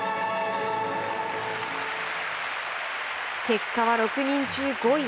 結果は６人中５位。